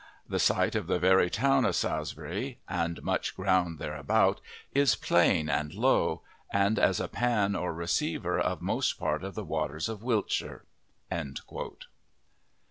The site of the very town of Saresbyri and much ground thereabout is playne and low, and as a pan or receyvor of most part of the waters of Wiltshire."